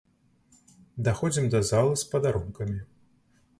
Даходзім да залы з падарункамі.